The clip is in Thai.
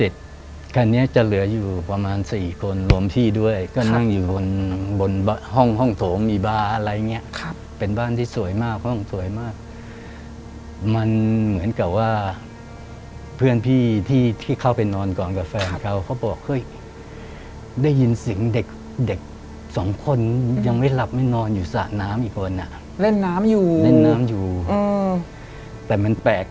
ทีนี้ด้วยความที่เราเป็นเด็กนะครับ